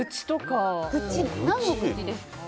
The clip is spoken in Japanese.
何の愚痴ですか？